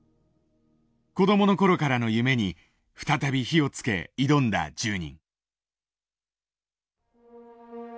子どもの頃からの夢に再び火をつけ挑んだ１０人。